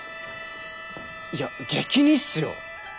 いや激似っすよ。